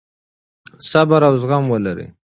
صبر او زغم ولرئ.